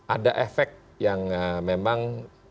ada efek yang memang